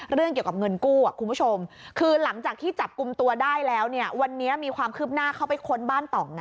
เรื่องเกี่ยวกับเงินกู้คุณผู้ชมคือหลังจากที่จับกลุ่มตัวได้แล้วเนี่ยวันนี้มีความคืบหน้าเข้าไปค้นบ้านต่องนะ